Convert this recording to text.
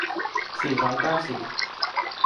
สี่ร้อยเก้าสิบ